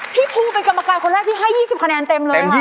พี่ภูเป็นกรรมการคนแรกที่ให้๒๐คะแนนเต็มเลยค่ะ